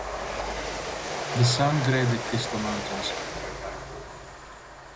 The Sangre de Cristo Mountains are nearby.